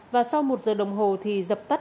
và sau một giờ đồng hồ thì dập tắt